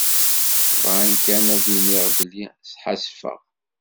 Bɣan kan ad d-iniɣ belli sḥassfeɣ.